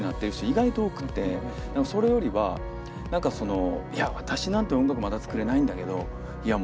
意外と多くてそれよりは何かその「いや私なんて音楽まだ作れないんだけどいや